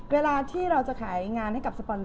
เวลาที่เราจะขายงานให้กับสปอน